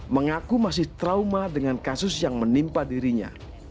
mengaku masih trauma dengan kasus yang menimpa dirinya